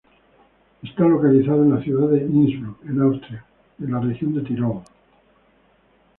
Está localizado en la ciudad de Innsbruck en Austria en la región de Tirol.